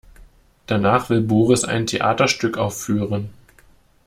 Danach will Boris ein Theaterstück aufführen.